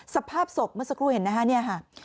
สภาพศพเมื่อสักครู่เห็นนะครับ